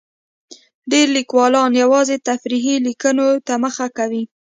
ډېری لیکوالان یوازې تفریحي لیکنو ته مخه کوي.